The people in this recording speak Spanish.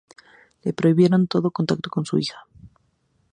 Le prohibieron todo contacto con su hija.